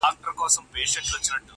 راته راوړی لیک مي رویبار دی -